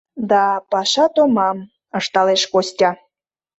— Да, паша томам, — ышталеш Костя.